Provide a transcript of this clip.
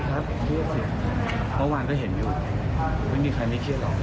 และเคียงคันอย่างที่